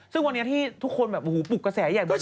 ซึ่งทุกคนปุกกระแสใหญ่มัน